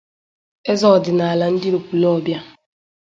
eze ọdịnala ndị Ekwulọbịa